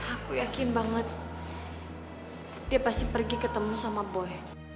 aku yakin banget dia pasti pergi ketemu sama boy